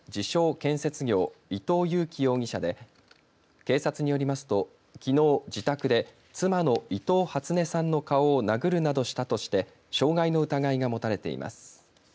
建設業、伊藤裕樹容疑者で警察によりますときのう自宅で妻の伊藤初音さんの顔を殴るなどしたとして傷害の疑いが持たれています。